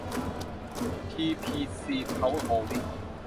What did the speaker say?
ทีพีซี เพาเวอร์โฮลดิ้ง